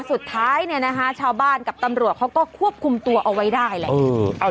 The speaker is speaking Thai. สุดท้ายชาวบ้านกับตำรวจเขาก็ควบคุมตัวเอาไว้ได้เลย